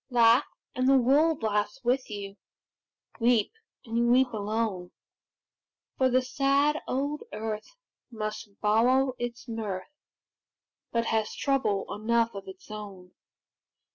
Laugh, and the world laughs with you; Weep, and you weep alone; For the sad old earth must borrow its mirth, But has trouble enough of its own.